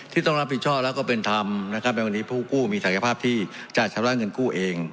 ที่ต้องรับผิดชอบแล้วก็เป็นธรรมนะครับในวันนี้ผู้กู้มีศักยภาพที่จะชำระเงินกู้เอง